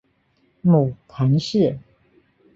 母谈氏。